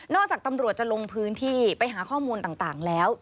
จากตำรวจจะลงพื้นที่ไปหาข้อมูลต่างแล้ว